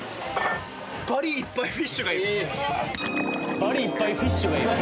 「バリいっぱいフィッシュがいる」